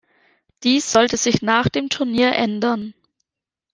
Dies sollte sich nach dem Turnier ändern.